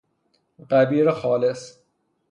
غبیر خالص